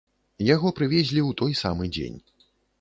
Яго прывезлі ў той самы дзень.